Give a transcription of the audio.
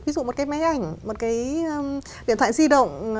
ví dụ một cái máy ảnh một cái điện thoại di động